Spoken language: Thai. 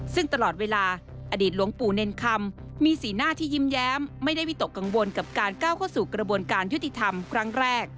ซึ่งตลอดเวลาอดีตหลวงปู่เนรคำมีสีหน้าที่ยิ้มแย้มไม่ได้วิตกกังวลกับการก้าวเข้าสู่กระบวนการยุติธรรมครั้งแรก